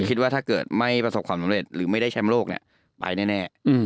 คิดว่าถ้าเกิดไม่ประสบความสำเร็จหรือไม่ได้แชมป์โลกเนี่ยไปแน่